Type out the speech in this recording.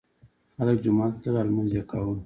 خلک جومات ته تلل او لمونځ یې کاوه.